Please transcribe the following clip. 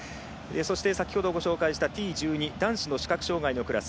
そして先ほどご紹介したＴ１２男子の視覚障がいのクラス